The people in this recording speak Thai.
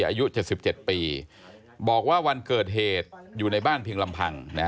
อายุเจ็ดสิบเจ็ดปีบอกว่าวันเกิดเหตุอยู่ในบ้านเพียงลำพังนะฮะ